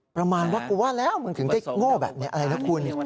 ประมาณว่ากูว่าแล้วมึงถึงได้โง่แบบนี้อะไรนะคุณ